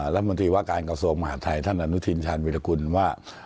รัฐมนตรีว่าการกระทรวงมหาดไทยท่านอนุทินชาญวิรากุลว่า